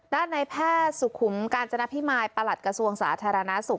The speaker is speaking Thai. ด้านในแพทย์สุขุมกาญจนพิมายประหลัดกระทรวงสาธารณสุข